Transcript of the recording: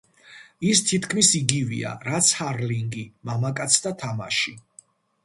ის თითქმის იგივეა, რაც ჰარლინგი, მამაკაცთა თამაში.